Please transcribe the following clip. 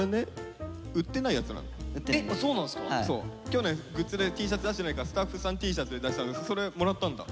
去年グッズでＴシャツ出してないからスタッフさんＴシャツで出したのそれもらったんだ？